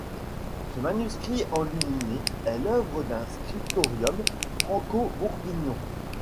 Ce manuscrit enluminé est l'œuvre d'un scriptorium franco-bourguignon.